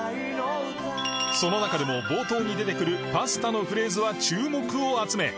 その中でも冒頭に出てくる「パスタ」のフレーズは注目を集め